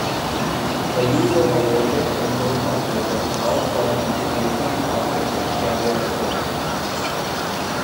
The use of a voltage-controlled oscillator allows for consideration of different carrier frequencies.